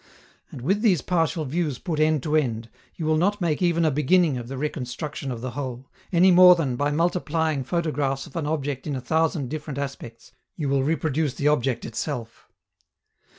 And, with these partial views put end to end, you will not make even a beginning of the reconstruction of the whole, any more than, by multiplying photographs of an object in a thousand different aspects, you will reproduce the object itself.